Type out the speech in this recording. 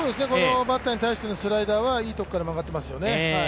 バッターに対してのスライダーはいいところから曲がっていますよね。